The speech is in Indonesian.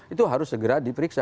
itu harus segera diperiksa